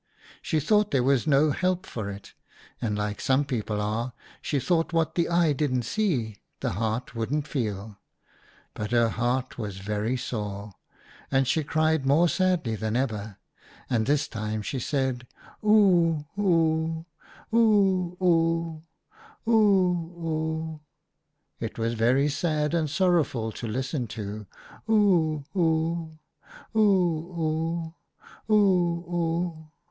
She thought there was no help for it, and, like some people are, she thought what the eye didn't see the heart wouldn't feel ; but her heart was very sore, and she cried more sadly than ever, and this time she said, ' Oo oo, oo oo, 00 00 !' It was very sad and sorrowful to listen to ' Oo oo, oo oo, oo oo